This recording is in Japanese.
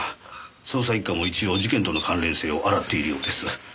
捜査一課も一応事件との関連性を洗っているようです。